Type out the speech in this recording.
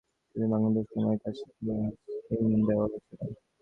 সেদিন বাংলাদেশে সময়ের কলে পুরো ইস্টিম দেওয়া হয়েছিল।